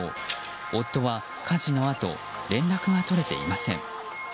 夫は火事のあと連絡が取れていません。